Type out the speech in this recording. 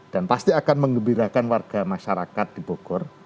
dan pasti akan mengembirakan warga masyarakat di bogor